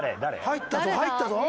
入ったぞ入ったぞ！